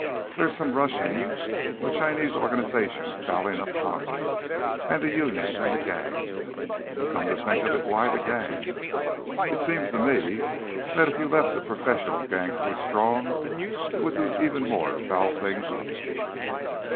There's some Russian or Chinese organization fouling up Congress, and the unions, and the gangs. Come to think of it, why the gangs? It seems to me that if you left the professional gangsters strong, it would do even more to foul things up."